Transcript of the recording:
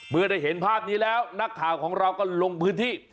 เมื่อได้เห็นภาพนี้แล้วนักข่าวของเราก็ลงพื้นที่